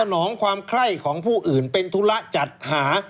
หนองความไข้ของผู้อื่นเป็นธุระจัดหา